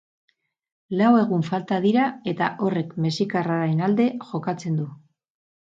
Lau egun falta dira eta horrek mexikarraren alde jokatzen du.